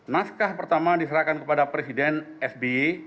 naskah pertama diserahkan kepada presiden sby